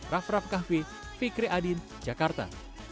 raff raff kahvi fikri adin jakarta